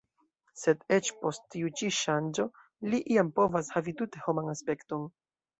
Sed eĉ post tiu ĉi ŝanĝo li iam povas havi tute homan aspekton.